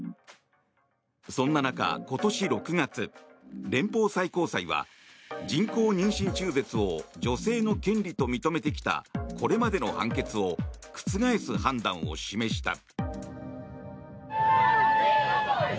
そんな中、今年６月連邦最高裁は人工妊娠中絶を女性の権利と認めてきたこれまでの判決を覆す判断を示した。